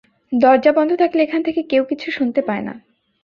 দরজা বন্ধ থাকলে, এখান থেকে কেউ কিচ্ছু শুনতে পায় না।